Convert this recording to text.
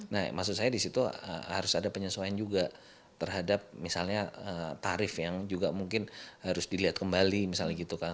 nah maksud saya di situ harus ada penyesuaian juga terhadap misalnya tarif yang juga mungkin harus dilihat kembali misalnya gitu kan